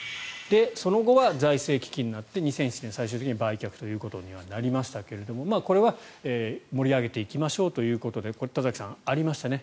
その後は財政危機になって２００７年最終的に売却となりましたがこれは盛り上げていきましょうということで田崎さん、ありましたね。